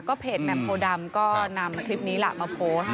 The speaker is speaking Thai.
ก็เพจแมวโปรดำก็นำคลิปนี้มาโพสต์